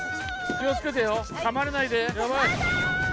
気をつけてよ噛まれないでマダイ！